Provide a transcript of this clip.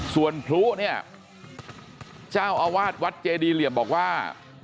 ส่วนพลุเนี่ยเจ้าอาวาสวัดเจดีเหลี่ยมบอกว่า